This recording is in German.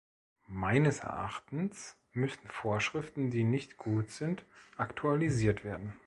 Meines Erachtens müssen Vorschriften, die nicht gut sind, aktualisiert werden.